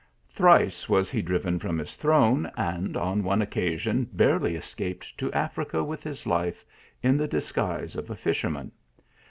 Thrice was he driven from his throne, and on one occasion barely escaped to Africa with his life, in the dis guise of a fisherman.